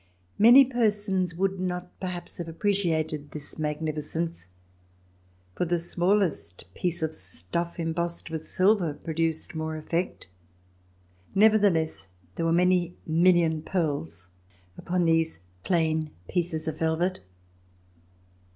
Many persons would not perhaps have appreciated this magnificence, for the smallest piece of stuflF em bossed with silver produced more efi'ect. Neverthe less, there were many million pearls upon these plain pieces of velvet.